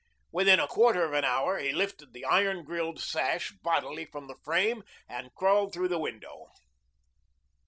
Within a quarter of an hour he lifted the iron grilled sash bodily from the frame and crawled through the window.